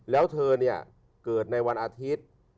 แล้วเธอเกิดในวันอาทิตย์